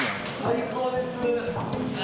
最高です！